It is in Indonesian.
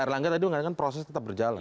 erlangga tadi mengatakan proses tetap berjalan